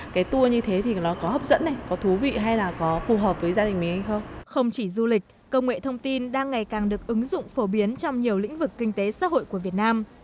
không chỉ du lịch công nghệ thông tin đang ngày càng được ứng dụng phổ biến trong nhiều lĩnh vực kinh tế xã hội của việt nam